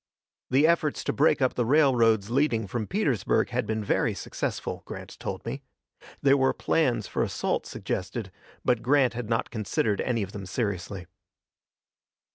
The efforts to break up the railroads leading from Petersburg had been very successful, Grant told me. There were plans for assault suggested, but Grant had not considered any of them seriously.